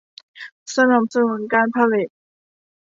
สนับสนุนการผลิต